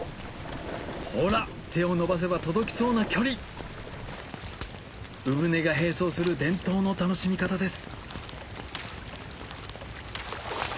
ほら手を伸ばせば届きそうな距離鵜舟が並走する伝統の楽しみ方です